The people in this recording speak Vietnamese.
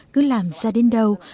cứ làm ra đến đâu